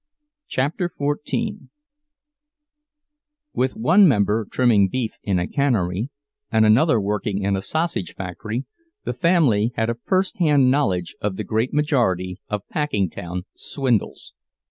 CHAPTER XIV With one member trimming beef in a cannery, and another working in a sausage factory, the family had a first hand knowledge of the great majority of Packingtown swindles.